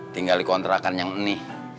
tinggal dikontrakan yang ini